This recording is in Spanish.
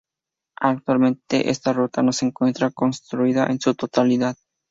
Actualmente Esta ruta no se encuentra construida en su totalidad.